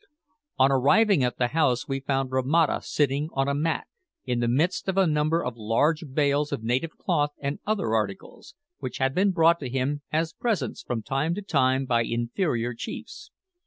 On arriving at the house we found Romata sitting on a mat, in the midst of a number of large bales of native cloth and other articles, which had been brought to him as presents from time to time by inferior chiefs.